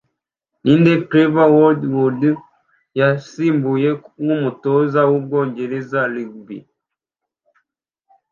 Ninde Clive Woodward yasimbuye nkumutoza wu Bwongereza Rugby